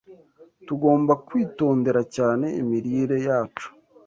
Tugomba kwitondera cyane imirire yacu